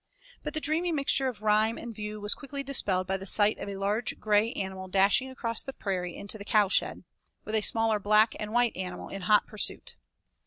But the dreamy mixture of rhyme and view was quickly dispelled by the sight of a large gray animal dashing across the prairie into the cowshed, with a smaller black and white animal in hot pursuit.